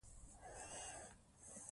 جنګیالي توره وهې.